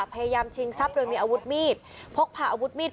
พยายามชิงทรัพย์โดยมีอาวุธมีด